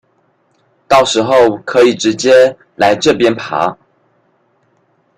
到時候可以直接來這邊爬